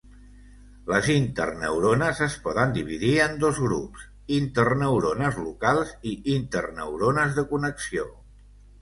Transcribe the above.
Les interneurones es poden dividir en dos grups: interneurones locals i interneurones de connexió.